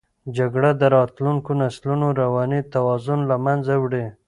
جګړه د راتلونکو نسلونو رواني توازن له منځه وړي.